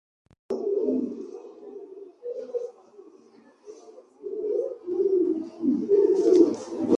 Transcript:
Watu wenye ugonjwa huu hawawezi kuona tofauti ya rangi wakati wote.